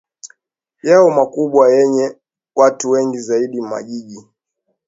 yao makubwa yenye watu wengi zaidi Majiji